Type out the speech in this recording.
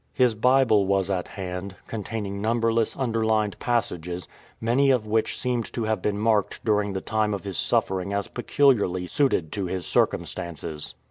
His Bible was at hand, containing numberless underlined passages, many of which seemed to have been marked during the time of his suffering as peculiarly suited to his circumstances.